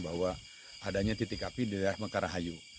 bahwa adanya titik api di wilayah mekarahayu